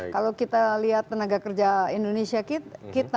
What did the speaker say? kalau kita lihat tenaga kerja indonesia